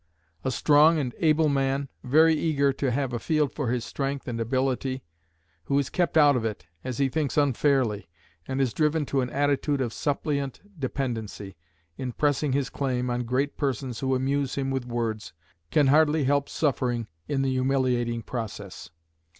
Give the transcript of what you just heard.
A strong and able man, very eager to have a field for his strength and ability, who is kept out of it, as he thinks unfairly, and is driven to an attitude of suppliant dependency in pressing his claim on great persons who amuse him with words, can hardly help suffering in the humiliating process.